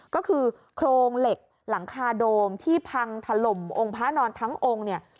ก็คือโครงเหล็กหลังคาโดมที่พังถล่มองค์พระนอนทั้งองค์เนี่ย